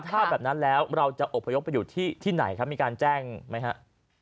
ถ้าแบบนั้นแล้วเราจะอบพยพไปอยู่ที่ไหนครับมีการแจ้งไหมครับ